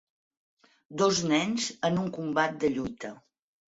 Dos nens en un combat de lluita.